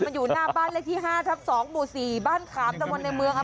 มันอยู่หน้าบ้านแรกที่ห้าทับสองหมู่สี่บ้านขาบตรงกว่าในเมืองครับ